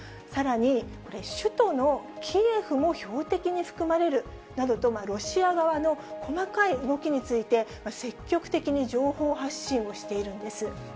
さらに首都のキエフも標的に含まれるなどと、ロシア側の細かい動きについて、積極的に情報発信をしているんです。